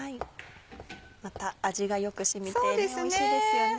また味がよく染みておいしいですよね。